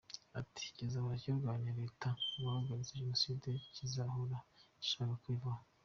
Ati “Kizahora kirwanya Leta yahagaritse Jenoside, kizahora gishaka ko ivaho.